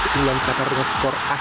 dan tetap tertata dengan baik